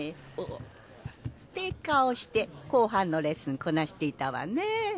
って顔して後半のレッスンこなしていたわね。